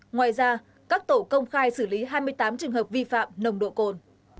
ngoài ra các tổ công khai xử lý hai mươi tám trường hợp vi phạm nồng độ cồn